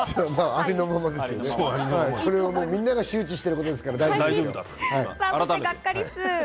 それはみんなが周知していることですから大丈夫です。